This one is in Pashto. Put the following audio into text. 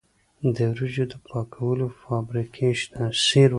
د وریجو د پاکولو فابریکې شته.